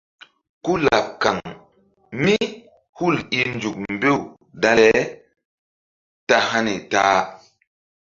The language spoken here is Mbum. Kú laɓ kaŋ mí hul i nzuk mbew dale ta hani ta-a.